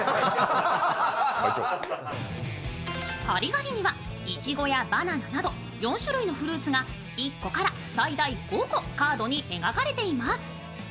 ハリガリにはイチゴやバナナなど４種類のフルーツが１個から最大５個カードに描かれています。